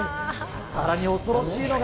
さらに恐ろしいのが。